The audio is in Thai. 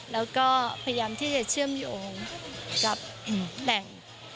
แล้วก็พยายามที่จะเชื่อมโยงกับแหล่ง